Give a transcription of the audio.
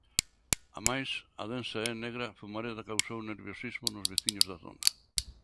Amais, a densa e negra fumareda causou nerviosismo nos veciños da zona.